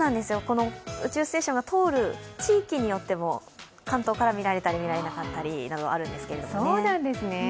宇宙ステーションが通る地域によっても、関東から見られたり見られなかったりいろいろあるんですけど。